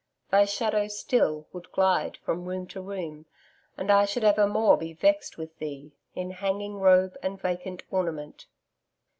'THY SHADOW STILL WOULD GLIDE FROM ROOM TO ROOM AND I SHOULD EVERMORE BE VEXT WITH THEE IN HANGING ROBE AND VACANT ORNAMENT.'